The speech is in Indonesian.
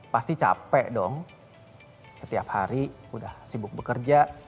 pasti capek dong setiap hari udah sibuk bekerja